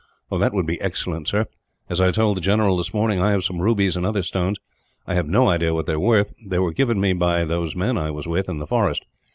"That would be excellent, sir. As I told the general this morning, I have some rubies and other stones. I have no idea what they are worth. They were given me by those men I was with, in the forest.